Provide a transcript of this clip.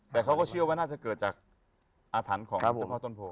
แต่เขาก็เชื่อว่าน่าจะเกิดจากอาถรรพ์ของเจ้าพ่อต้นโพ